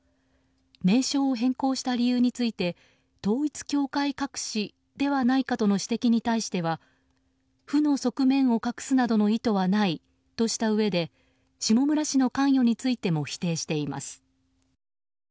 名称を変更した理由について統一教会隠しではないかとの指摘に対しては負の側面を隠すなどの意図はないとしたうえで下村氏の関与についても否定しています。